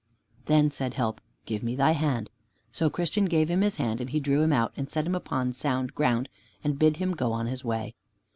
Then said Help, "Give me thy hand." So Christian gave him his hand, and he drew him out and set him upon sound ground, and bid him go on his way.